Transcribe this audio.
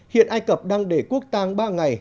hiện ai cập đang để quốc tang ba ngày